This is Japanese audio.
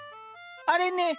あれね。